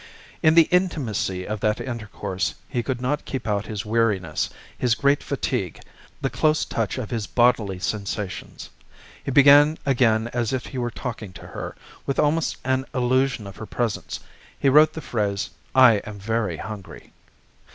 In the intimacy of that intercourse he could not keep out his weariness, his great fatigue, the close touch of his bodily sensations. He began again as if he were talking to her. With almost an illusion of her presence, he wrote the phrase, "I am very hungry."